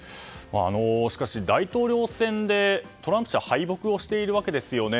しかし、大統領選でトランプ氏は敗北しているわけですよね。